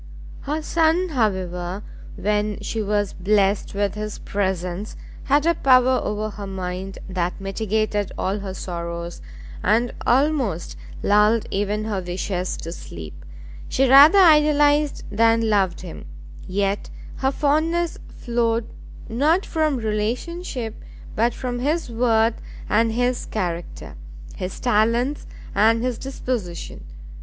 Her son, however, when she was blessed with his presence, had a power over her mind that mitigated all her sorrows, and almost lulled even her wishes to sleep; she rather idolised than loved him, yet her fondness flowed not from relationship, but from his worth and his character, his talents and his disposition.